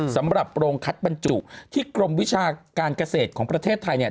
สำหรับโรงคัดบรรจุที่กรมวิชาการเกษตรของประเทศไทยเนี่ย